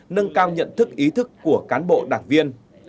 nâng cao nhận thức ý thức của cán bộ đảng viên